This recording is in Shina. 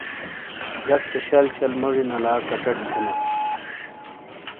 جَک سے شَل شَل موجی نَلا کچٹ تھینا۔